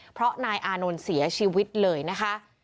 เพราะนายอานนท์เสียชีวิตเลยนะคะ